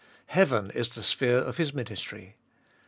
Heaven is the sphere of His ministry.